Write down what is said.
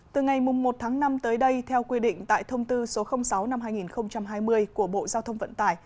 từ ngày một tháng năm tới đây theo quy định tại thông tư số sáu năm hai nghìn hai mươi của bộ giao thông vận tải